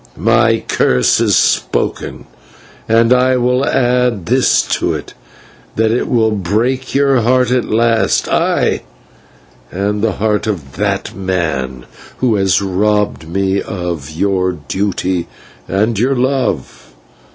My curse is spoken, and I will add to it, that it shall break your heart at last, ay! and the heart of that man who has robbed me of your duty and your love."